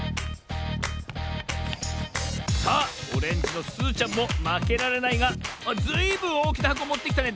さあオレンジのすずちゃんもまけられないがずいぶんおおきなはこもってきたね。